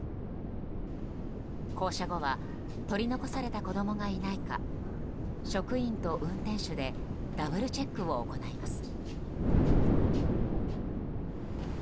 降車後は取り残された子供がいないか職員と運転手でダブルチェックを行います。